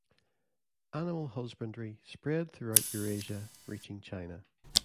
Animal husbandry spread throughout Eurasia, reaching China.